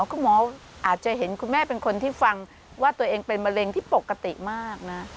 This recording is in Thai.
คุณหมออาจจะเห็นคุณแม่เป็นคนที่ฟังว่าตัวเองเป็นมะเร็งที่ปกติมากนะ